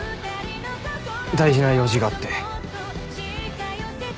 大事な用事があって。